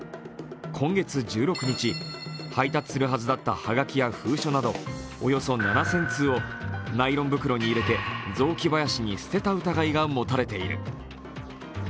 今月１６日、配達するはずだったはがきや封書などおよそ７０００通をナイロン袋に入れて雑木林に捨てた疑いが持たれています。